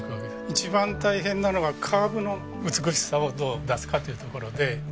一番大変なのがカーブの美しさをどう出すかというところで。